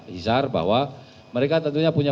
hisar bahwa mereka tentunya punya